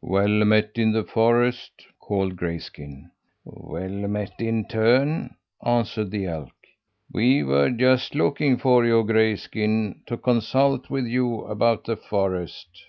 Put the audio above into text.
"Well met in the forest!" called Grayskin. "Well met in turn!" answered the elk. "We were just looking for you, Grayskin, to consult with you about the forest."